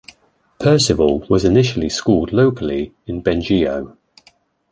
Percival was initially schooled locally in Bengeo.